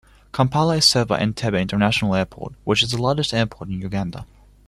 Kampala is served by Entebbe International Airport, which is the largest airport in Uganda.